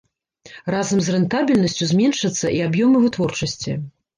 Разам з рэнтабельнасцю зменшацца і аб'ёмы вытворчасці.